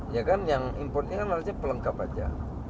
ya kan yang impor ini kan harusnya pelengkap saja